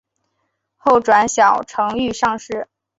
后转小承御上士。